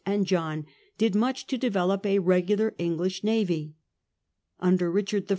and John did much to develop a regular English navy. Under Richard I.